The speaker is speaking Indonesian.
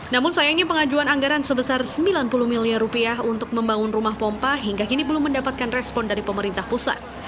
namun sayangnya pengajuan anggaran sebesar sembilan puluh miliar rupiah untuk membangun rumah pompa hingga kini belum mendapatkan respon dari pemerintah pusat